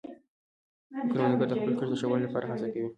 کروندګر د خپل کښت د ښه والي لپاره هڅې کوي